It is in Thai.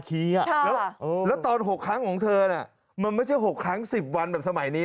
แล้วตอน๖ครั้งของเธอน่ะมันไม่ใช่๖ครั้ง๑๐วันแบบสมัยนี้